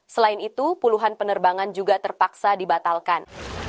selain itu puluhan penerbangan juga terpaksa dibatalkan